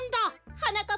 はなかっ